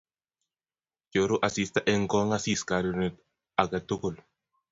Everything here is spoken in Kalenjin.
Choru asista eng kong'asis karirunit age tugul.